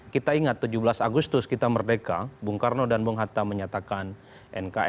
kita ingat tujuh belas agustus kita merdeka bung karno dan bung hatta menyatakan nkri